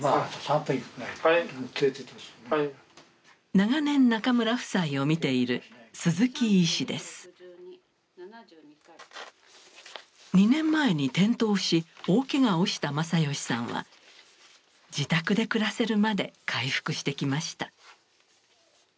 長年中村夫妻を診ている２年前に転倒し大けがをした正義さんは自宅で暮らせるまで回復してきました。